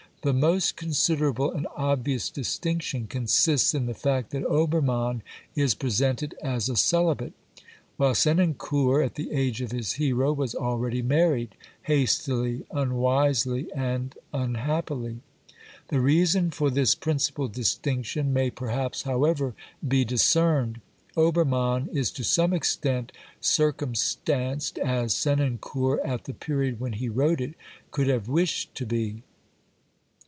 The most considerable and obvious distinction consists in the fact that Obermann is presented as a celibate, while Senancour at the age of his hero was already married — hastily, unwisely and unhappily. The reason for this principal distinction may perhaps, however, be discerned. Obermann is to some extent circumstanced as Senancour, at the period when he wrote it, could have wished to be.